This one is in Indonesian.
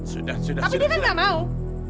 sudah sudah sudah